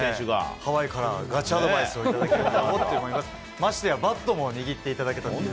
ハワイからガチアドバイスを頂きまして、ましてやバットも握っていただけたという。